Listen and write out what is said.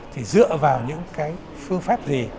thì dựa vào những cái phương pháp gì